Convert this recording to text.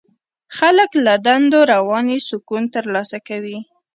خلک له دندو رواني سکون ترلاسه کوي.